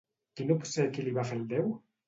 Quin obsequi li va fer el déu?